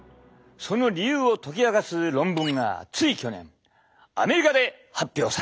その理由を解き明かす論文がつい去年アメリカで発表された！